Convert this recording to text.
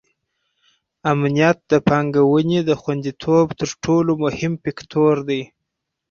امنیت د پانګونې د خونديتوب تر ټولو مهم فکتور دی.